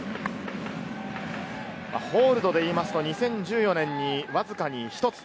ホールドでいいますと、２０１４年にわずかに一つ。